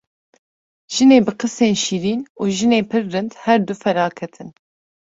Jinê bi qisên şîrîn û jinê pir rind her du felaket in.